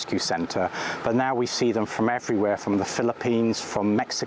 ซึ่งจากสถิติเมื่อต้นปีที่ผ่านมา